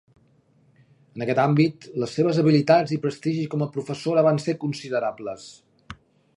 En aquest àmbit, les seves habilitats i prestigi com a professora van ser considerables.